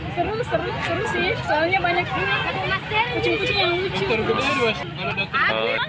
seru seru seru sih soalnya banyak kucing kucing yang lucu